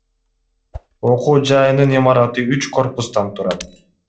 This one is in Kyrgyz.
Окуу жайынын имараты үч корпустан турат.